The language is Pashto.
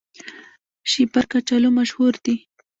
شیبر کچالو مشهور دي؟